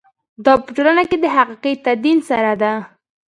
دا په ټولنه کې د حقیقي تدین سره ده.